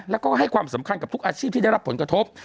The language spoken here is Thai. แล้วก็ให้ความสำคัญกับทุกอาชีพที่ได้รับผลกระทบ